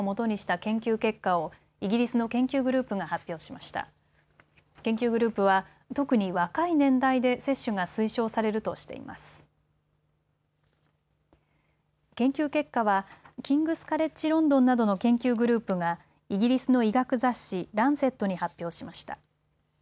研究結果はキングス・カレッジ・ロンドンなどの研究グループがイギリスの医学雑誌、ランセットに発表しました。